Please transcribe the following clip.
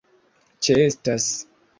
ĉeestas